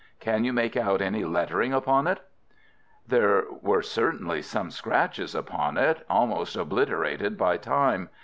Can you make out any lettering upon it?" There were certainly some scratches upon it, almost obliterated by time.